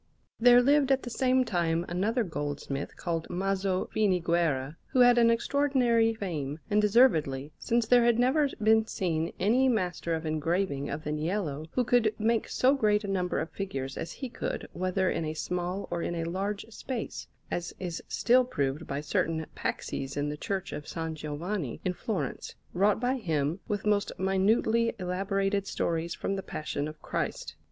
There lived at the same time another goldsmith called Maso Finiguerra, who had an extraordinary fame, and deservedly, since there had never been seen any master of engraving and of niello who could make so great a number of figures as he could, whether in a small or in a large space; as is still proved by certain paxes in the Church of S. Giovanni in Florence, wrought by him with most minutely elaborated stories from the Passion of Christ.